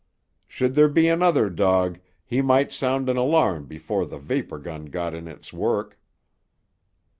Should there be another dog, he might sound an alarm before the vapor gun got in its work.